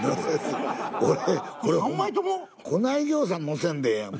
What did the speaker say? こないぎょうさん載せんでええやん。